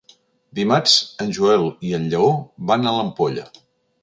Dimarts en Joel i en Lleó van a l'Ampolla.